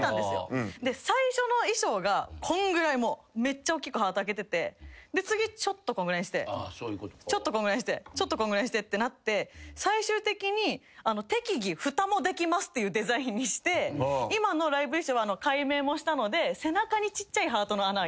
最初の衣装がこんぐらいめっちゃ大きくハート開けてて次ちょっとこんぐらいにしてちょっとこんぐらいにしてちょっとこんぐらいにしてってなって最終的に適宜フタもできますっていうデザインにして今のライブ衣装は改名もしたので背中にちっちゃいハートの穴開いてるんですよ。